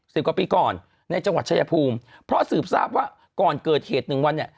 สิบกว่าปีก่อนในจังหวัดชายภูมิเพราะสืบทราบว่าก่อนเกิดเหตุหนึ่งวันเนี่ย